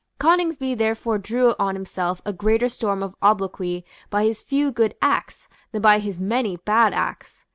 Coningsby therefore drew on himself a greater storm of obloquy by his few good acts than by his many bad acts.